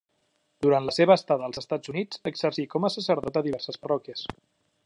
Durant la seva estada als Estats Units exercí com a sacerdot a diverses parròquies.